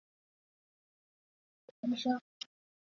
撤收时则按照相反的顺序操作即可。